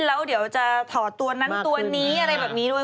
แล้วเดี๋ยวจะถอดตัวนั้นตัวนี้อะไรแบบนี้ด้วย